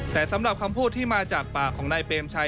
แต่สำหรับคำพูดที่มาจากปากของนายเปรมชัย